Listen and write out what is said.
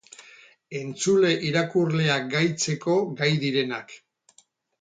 Entzule-irakurleak gaitzeko gai direnak.